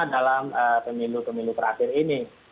dalam pemilu pemilu terakhir ini